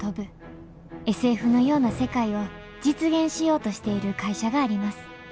ＳＦのような世界を実現しようとしている会社があります